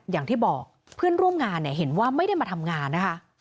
อย่างที่บอกเพื่อนร่วมงานเนี่ยเห็นว่าไม่ได้มาทำงานนะคะ